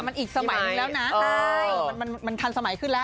มันอีกสมัยหนึ่งแล้วนะมันทันสมัยขึ้นแล้ว